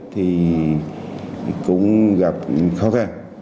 thì cũng gặp khó khăn